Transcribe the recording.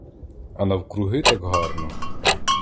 А навкруги так гарно.